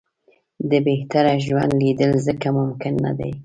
د بهتره ژوند لېدل ځکه ممکن نه دي.